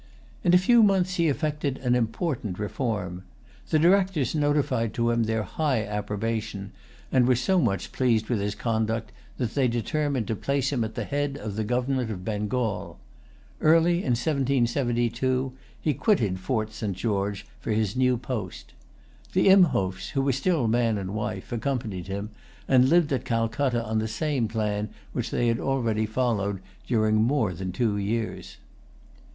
In a very few months he effected an important reform. The Directors notified to him their high approbation, and[Pg 127] were so much pleased with his conduct that they determined to place him at the head of the government of Bengal. Early in 1772 he quitted Fort St. George for his new post. The Imhoffs, who were still man and wife, accompanied him, and lived at Calcutta on the same plan which they had already followed during more than two years.